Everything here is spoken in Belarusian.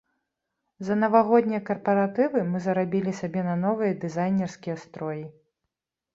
За навагоднія карпаратывы мы зарабілі сабе на новыя дызайнерскія строі.